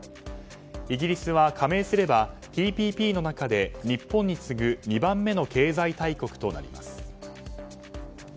イギリスは加盟すれば、ＴＰＰの中で日本に次ぐ２番目の経済大国となります。